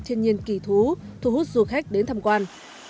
thiên nhiên kỳ thú thu hút du khách đến tham quan